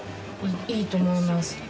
いいと思います。